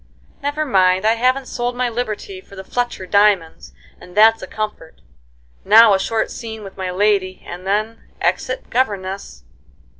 Never mind, I haven't sold my liberty for the Fletcher diamonds, and that's a comfort. Now a short scene with my lady and then exit governess."